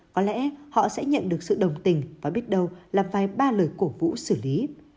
có lẽ họ sẽ nhận được sự đồng tình và biết đâu là vài ba lời cổ vũ xử lý